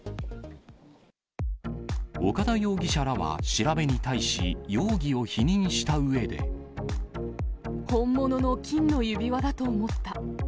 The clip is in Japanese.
岡田容疑者らは調べに対し、本物の金の指輪だと思った。